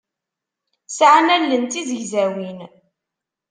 Sɛan allen d tizegzawin.